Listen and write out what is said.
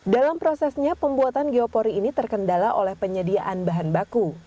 dalam prosesnya pembuatan geopori ini terkendala oleh penyediaan bahan baku